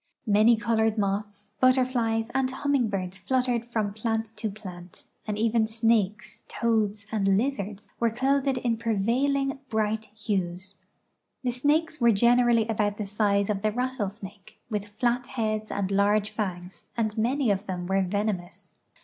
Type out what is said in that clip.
Many colored moths, butterflies, and humming birds fluttered from plant to plant, and even snakes, toads, and lizards were clothed in ])revailing bright hues. The snakes were generally about the size of the rattlesnake, with flat heads and large fangs, and many of them were venomous.